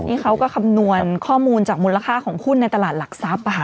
นี่เขาก็คำนวณข้อมูลจากมูลค่าของหุ้นในตลาดหลักทรัพย์